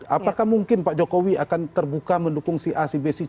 apakah mungkin pak jokowi akan terbuka mendukung si a si b si c